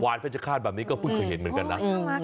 วานเพิ่งจะคาดแบบนี้ก็เพิ่งเห็นเหมือนกันนะ